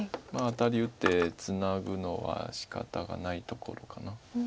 アタリ打ってツナぐのはしかたがないところかな。